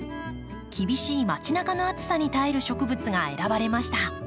厳しいまち中の暑さに耐える植物が選ばれました。